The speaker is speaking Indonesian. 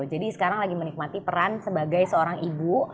jadi sekarang lagi menikmati peran sebagai seorang ibu